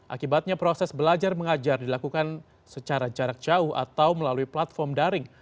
akibatnya proses belajar mengajar dilakukan secara jarak jauh atau melalui platform daring